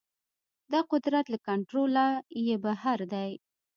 دا قدرت له کنټروله يې بهر دی.